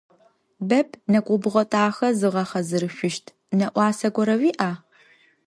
Веб нэкӏубгъо дахэ зыгъэхьазырышъущт нэӏуасэ горэ уиӏа?